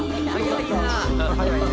「早いな！」